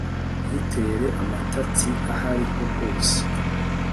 ntitere amatati ahari ho hose